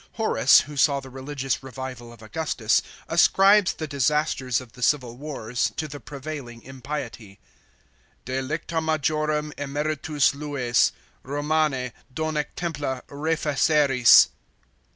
Horace, who saw the religious revival of Augustus, ascribes the disasters of the civil wars to the prevailing impiety : Delicta inaiorum immeritus lues, Romane, donee templa refeceris.